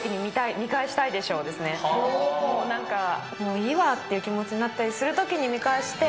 もういいわっていう気持ちになったりするときに見返して。